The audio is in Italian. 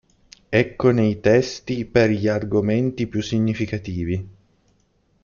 Eccone i testi per gli argomenti più significativi.